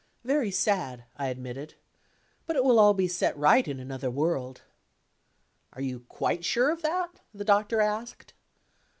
"Very sad," I admitted. "But it will all be set right in another world." "Are you quite sure of that?" the Doctor asked.